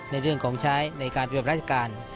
ในเรื่องของใช้ในการเฉพาะรัชกาล